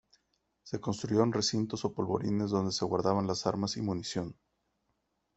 Se construyeron recintos o polvorines donde se guardaban las armas y munición.